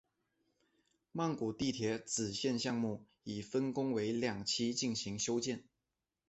曼谷地铁紫线项目已分工为两期进行修建。